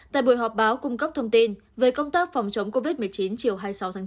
tại buổi họp báo cung cấp thông tin về công tác phòng chống covid một mươi chín chiều hai mươi sáu tháng chín